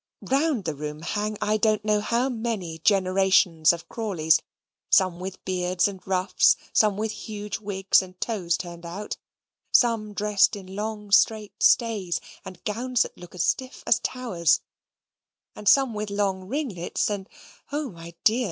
Round the room hang I don't know how many generations of Crawleys, some with beards and ruffs, some with huge wigs and toes turned out, some dressed in long straight stays and gowns that look as stiff as towers, and some with long ringlets, and oh, my dear!